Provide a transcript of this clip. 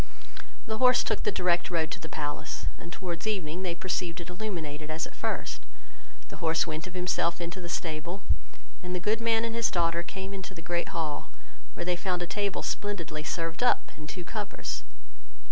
The horse took the direct road to the palace; and towards evening they perceived it illuminated as at first: the horse went of himself into the stable, and the good man and his daughter came into the great hall, where they found a table splendidly served up, and two covers.